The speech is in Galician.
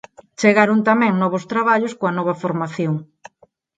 Chegaron tamén novos traballos coa nova formación.